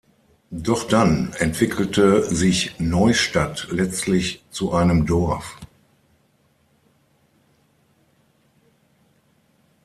Doch dann entwickelte sich Neustadt letztlich zu einem Dorf.